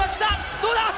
どうだ？